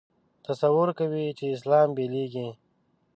تصور کوي چې اسلام بېلېږي.